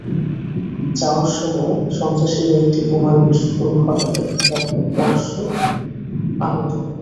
যাওয়ার সময় সন্ত্রাসীরা একটি বোমার বিস্ফোরণ ঘটালে খোদা বক্শ আহত হন।